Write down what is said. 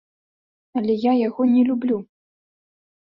Але я яго не люблю.